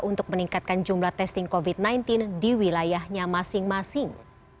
untuk meningkatkan jumlah testing covid sembilan belas di wilayahnya masing masing